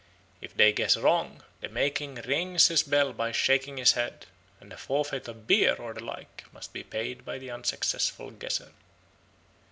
If they guess wrong, the May King rings his bell by shaking his head, and a forfeit of beer or the like must be paid by the unsuccessful guesser.